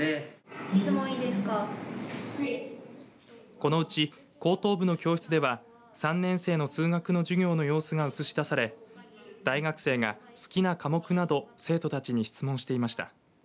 このうち高等部の教室では３年生の数学の授業の様子が映し出され大学生が、好きな科目など生徒たちに質問していました。